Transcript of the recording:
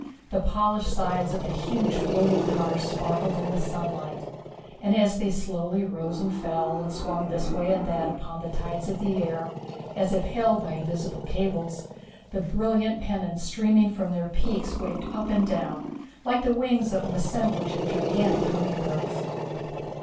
The polished sides of the huge floating cars sparkled in the sunlight, and, as they slowly rose and fell, and swung this way and that, upon the tides of the air, as if held by invisible cables, the brilliant pennons streaming from their peaks waved up and down like the wings of an assemblage of gigantic humming birds.